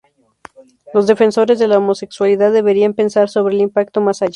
Los defensores de la homosexualidad deberían pensar sobre el impacto más allá.